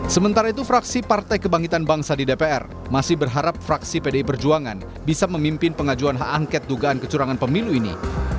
sementara itu fraksi partai kebangkitan bangsa di dpr masih berharap fraksi pdi perjuangan bisa memimpin pengajuan hak angket dugaan kecurangan pemilu ini